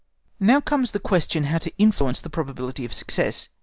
Now comes the question how to influence the probability of success.